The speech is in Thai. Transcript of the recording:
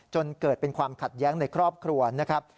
จนเกิดเป็นความขัดแย้งในครอบครัวนะครับ